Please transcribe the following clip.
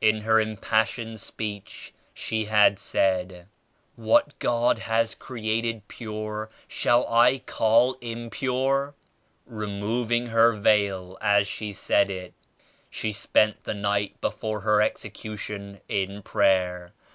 In her impassioned speech she had said What God has created pure shall I call impure?* removing her veil as she said it. She spent the night before her execu tion in prayer.